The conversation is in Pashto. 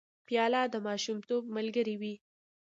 پیاله د ماشومتوب ملګرې وي.